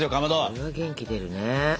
それは元気出るね。